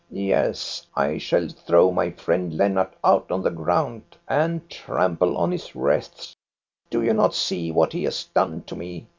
Yes ; I shall throw my friend Lennart out on the ground and trample on his wreaths. Do you not see what he has done to me